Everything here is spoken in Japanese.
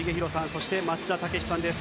そして松田丈志さんです。